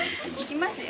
いきますよ